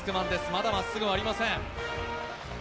まだ、まっすぐはありません。